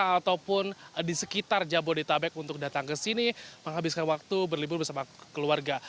ataupun di sekitar jabodetabek untuk datang ke sini menghabiskan waktu berlibur bersama keluarga